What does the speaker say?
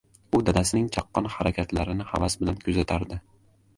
U dadasining chaqqon harakatlarini havas bilan kuzatardi…